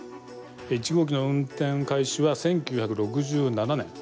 １号機の運転開始は１９６７年。